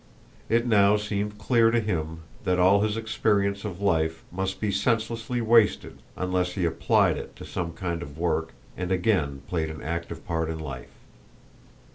It now seemed clear to him that all his experience of life must be senselessly wasted unless he applied it to some kind of work and again played an active part in life.